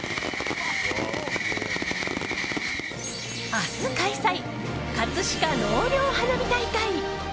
明日開催、葛飾納涼花火大会。